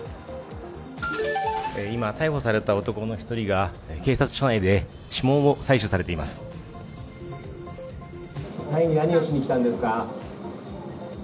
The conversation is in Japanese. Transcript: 今、逮捕された男の１人が警察署内で指紋を採取されています。